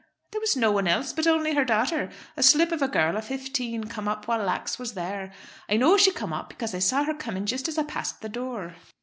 "There was no one else; but only her darter, a slip of a girl o' fifteen, come up while Lax was there. I know she come up, because I saw her coming jist as I passed the door."